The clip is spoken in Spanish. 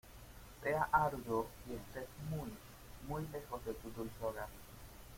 Sea arduo y estés muy, muy lejos de tu dulce hogar...